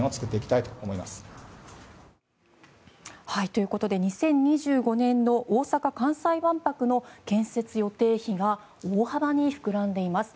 ということで２０２５年の大阪・関西万博の建設予定日が大幅に膨らんでいます。